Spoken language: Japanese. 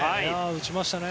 打ちましたね。